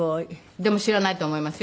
でも知らないと思いますよ